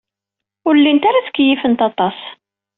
Ur llint ara ttkeyyifent aṭas.